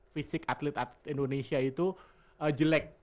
fisik atlet atlet indonesia itu jelek